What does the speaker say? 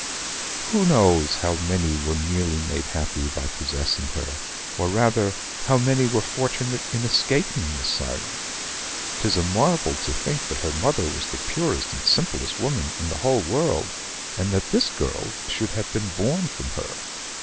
Who knows how many were nearly made happy by possessing her, or, rather, how many were fortunate in escaping this siren? 'Tis a marvel to think that her mother was the purest and simplest woman in the whole world, and that this girl should have been born from her.